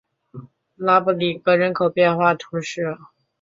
拉布里格人口变化图示